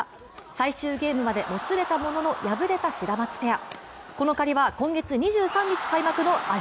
最終ゲームまでもつれたものの敗れたシダマツペア。